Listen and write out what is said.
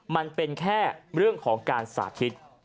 มันเป็นแค่เรื่องของการสาธิต